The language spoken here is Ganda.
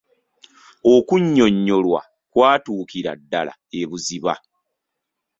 Okunnyonnyolwa kwatuukira ddala ebuziba.